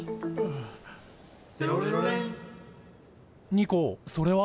ニコそれは？